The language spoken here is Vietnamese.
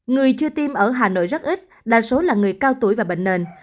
người chưa tiêm ở hà nội rất ít đa số là người cao tuổi và bệnh nền